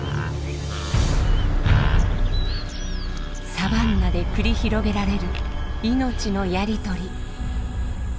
サバンナで繰り広げられる命のやり取り。